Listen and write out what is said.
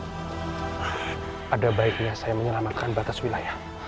pada baiknya saya menyelamatkan batas wilayah